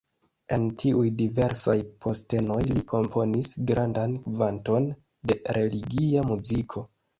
En tiuj diversaj postenoj li komponis grandan kvanton de religia muziko.